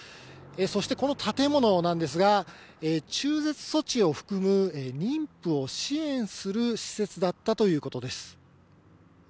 そしてこの建物なんですが、中絶措置を含む妊婦を支援する施設だったということです。